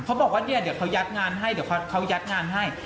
เขาบอกเดี๋ยวเขายัดงานให้